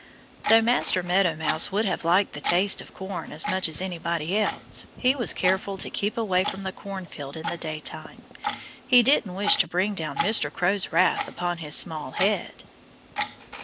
Though Master Meadow Mouse would have liked a taste of corn as much as anybody else, he was careful to keep away from the cornfield in the daytime. He didn't wish to bring down Mr. Crow's wrath upon his small head.